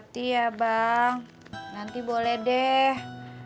maafin tati ya bang nanti boleh deh